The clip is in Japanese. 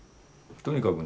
とにかくね